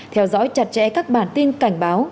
theo dõi chặt chẽ các bản tin cảnh báo